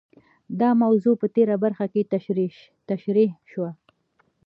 دا موضوع په تېره برخه کې تشرېح شوه.